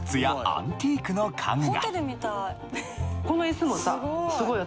アンティークに。